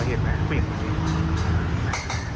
ผู้หญิงเหมือนกัน